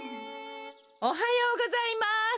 おはようございます。